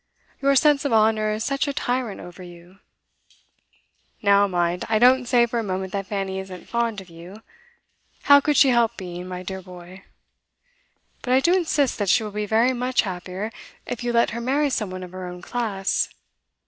Your sense of honour is such a tyrant over you. Now, mind, I don't say for a moment that Fanny isn't fond of you, how could she help being, my dear boy? But I do insist that she will be very much happier if you let her marry some one of her own class.